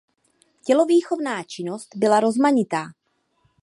Tělovýchovná činnost byla rozmanitá.